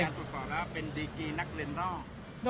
อันนี้มีคำว่าเป็นดีกี่นักเรียนร่อง